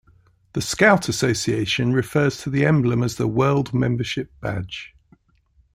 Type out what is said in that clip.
The Scout Association refers to the emblem as the World Membership Badge.